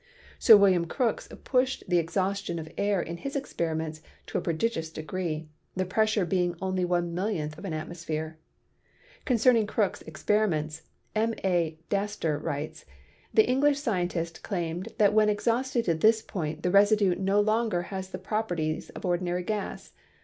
Sir William Crookes pushed the exhaustion of air in his experiments to a prodigious degree, the pressure being only one millionth of an at mosphere. Concerning Crookes' experiments, M. A. Dastre writes: "The English scientist claimed that when exhausted to this point the residue no longer has the prop erties of ordinary gases.